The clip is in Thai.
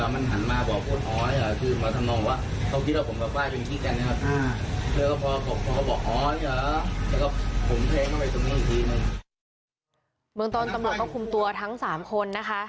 เมืองต้นตำรวจก็คุมตัวทั้ง๓คนนะคะ